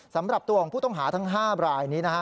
สำหรับตัวของผู้ต้องหาทั้ง๕รายนี้นะฮะ